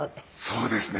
そうですね。